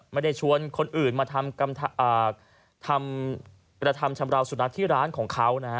ไม่ได้ชวนคนอื่นมาทำกระทำชำราวสุนัขที่ร้านของเขานะฮะ